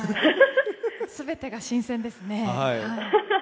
全てが新鮮ですね。